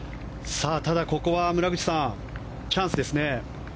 ただここは、村口さんチャンスですね。